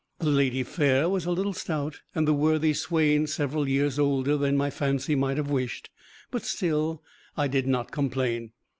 The ladye faire was a little stout and the worthy swain several years older than my fancy might have wished, but still I did not complain.